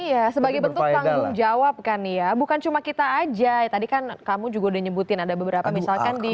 iya sebagai bentuk tanggung jawab kan ya bukan cuma kita aja tadi kan kamu juga udah nyebutin ada beberapa misalkan di